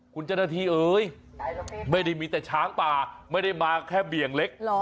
คุณเจ้าหน้าที่เอ้ยไม่ได้มีแต่ช้างป่าไม่ได้มาแค่เบี่ยงเล็ก